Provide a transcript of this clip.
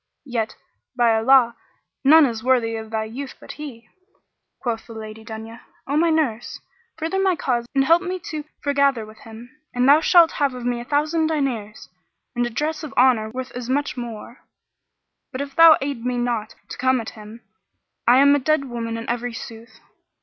Yet, by Allah, none is worthy of thy youth but he." Quoth the Lady Dunya, "O my nurse, further my cause and help me to foregather with him, and thou shalt have of me a thousand diners and a dress of honour worth as much more: but if thou aid me not to come at him, I am a dead woman in very sooth."